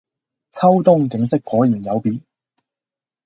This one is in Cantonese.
秋冬景色果然有別